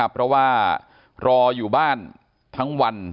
เพราะว่ารออยู่บ้านทั้งวัน